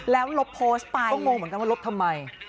แล้วลบโพสต์ไปก็งงเหมือนกันว่าลบทำไม